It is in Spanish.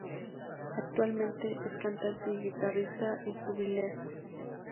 Actualmente es cantante y guitarrista en Jubilee.